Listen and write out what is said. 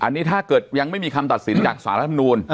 อันนี้ถ้าเกิดยังไม่มีคำตัดสินจากสารรัฐมนูล